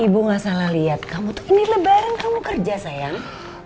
ibu gak salah lihat kamu tuh ini lebaran kamu kerja sayang